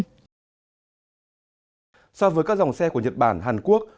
so với các dòng xe của nhật bản hàn quốc